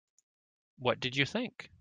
What did you think?